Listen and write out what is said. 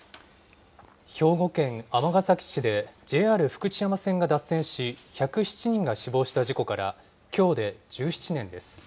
兵庫県尼崎市でＪＲ福知山線が脱線し、１０７人が死亡した事故からきょうで１７年です。